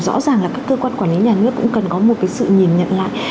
rõ ràng là các cơ quan quản lý nhà nước cũng cần có một cái sự nhìn nhận lại